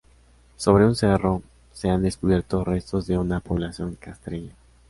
Sobre un cerro se han descubierto restos de una población castreña.